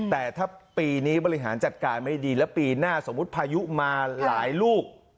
แต่ถ้าปีนี้บริหารจัดการไม่ดีแล้วปีหน้าสมมุติพายุมาหลายลูก